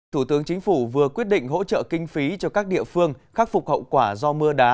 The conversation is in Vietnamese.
thủ tướng chính phủ vừa quyết định hỗ trợ kinh phí cho các địa phương khắc phục hậu quả do mưa đá